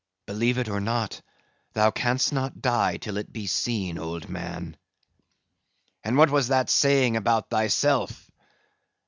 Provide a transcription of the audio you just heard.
"Believe it or not, thou canst not die till it be seen, old man." "And what was that saying about thyself?"